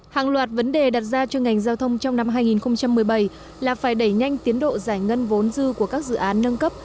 hàng loạt vấn đề đặt ra cho ngành giao thông trong năm hai nghìn một mươi bảy là phải đẩy nhanh tiến độ giải ngân vốn dư của các dự án nâng cấp